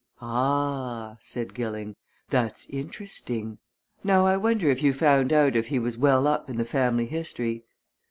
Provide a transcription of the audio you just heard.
"Ah!" said Gilling. "That's interesting. Now I wonder if you found out if he was well up in the family history?"